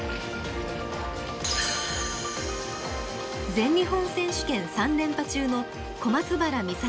全日本選手権３連覇中の小松原美里